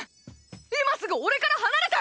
今すぐ俺から離れて！